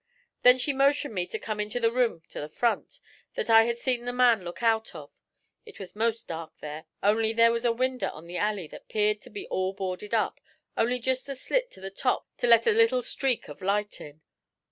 'Then she motioned me to come into the room to the front, that I had seen the man look out of. It was 'most dark there, only there was a winder on the alley that 'peared to be all boarded up, only jest a slit to the top to let a little streak of light in.